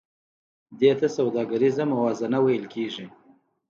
دې ته سوداګریزه موازنه ویل کېږي